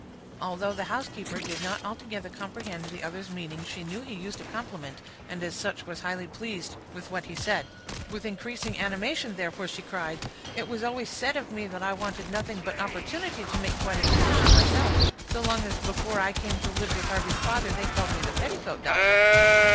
Although the housekeeper did not altogether comprehend the other's meaning, she knew he used a compliment, and as such was highly pleased with what he said. With increased animation, therefore, she cried, "It was always said of me, that I wanted nothing but opportunity to make quite a physician myself; so long as before I came to live with Harvey's father, they called me the petticoat doctor."